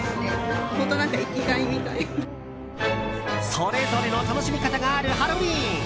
それぞれの楽しみ方があるハロウィーン。